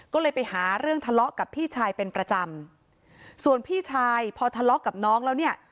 ก็เลยไปหาเรื่องทะเลาะกับพี่ชายเป็นประจำส่วนพี่ชายพอทะเลาะกับน้องแล้วเนี่ย